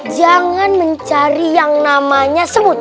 jangan mencari yang namanya sebut